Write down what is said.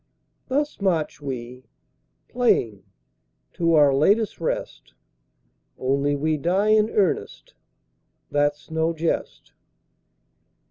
Thus march we, playing, to our latest rest, Only we die in earnest, that's no jest.